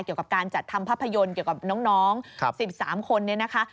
เกี่ยวกับการจัดทำภาพยนตร์เกี่ยวกับน้อง๑๓คนเนี่ยนะคะ